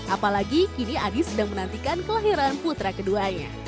apalagi kini adis sedang menantikan kelahiran putra keduanya